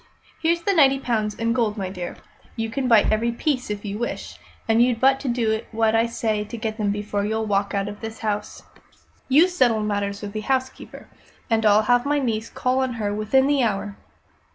Here's the ninety pounds in gold, my dear. You can bite every piece, if you wish; and you've but to do what I say to get them before you walk out of this house. You settle matters with the housekeeper, and I'll have my niece call on her within the hour."